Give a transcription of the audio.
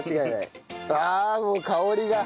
ああもう香りが。